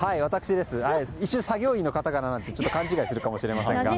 一瞬作業員の方かなと勘違いするかもしれませんが。